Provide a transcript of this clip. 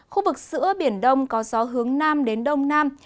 khu vực giữa biển đông có gió hướng nam đến đông nam